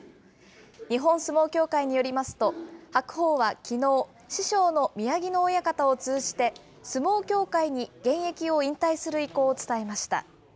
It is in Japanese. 日本相撲協会によりますと、白鵬はきのう、師匠の宮城野親方を通じて、相撲協会に現役を引退する意向を伝えました。